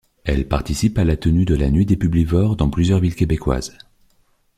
Elle participe à la tenue de la Nuit des publivores dans plusieurs villes québécoises.